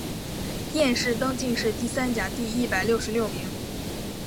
殿试登进士第三甲第一百六十六名。